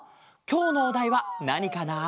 きょうのおだいはなにかな？